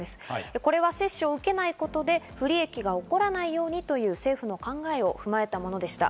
これは接種を受けないことで不利益が起こらないようにという政府の考えを踏まえたものでした。